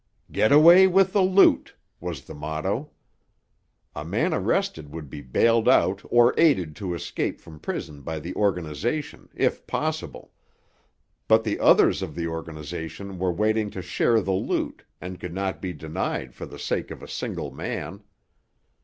"Get away with the loot!" was the motto. A man arrested would be bailed out or aided to escape from prison by the organization, if possible—but the others of the organization were waiting to share the loot and could not be denied for the sake of a single man.